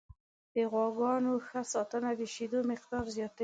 د غواګانو ښه ساتنه د شیدو مقدار زیاتوي.